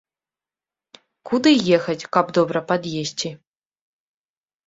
Куды ехаць, каб добра пад'есці?